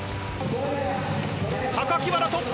榊原トップ。